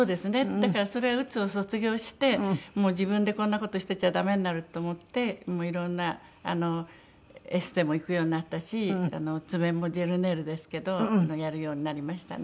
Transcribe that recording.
だからそれはうつを卒業してもう自分でこんな事してちゃダメになると思ってもういろんなエステも行くようになったし爪もジェルネイルですけどやるようになりましたね。